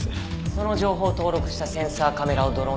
その情報を登録したセンサーカメラをドローンに載せ